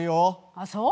あっそう？